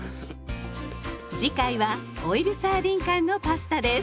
次回はオイルサーディン缶のパスタです。